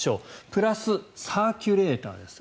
プラス、サーキュレーターです。